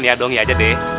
ya dong ya aja deh